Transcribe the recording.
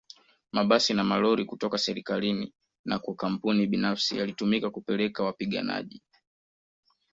Mabasi na malori kutoka serikalini na kwa kampuni binafsi yalitumika kupeleka wapiganaji